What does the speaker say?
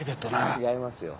違いますよ。